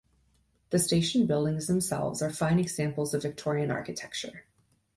The station buildings themselves are fine examples of Victorian architecture.